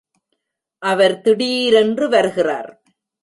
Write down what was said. அவர் திடீரென்று வருகிறார்.